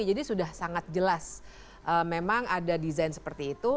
jadi sudah sangat jelas memang ada desain seperti itu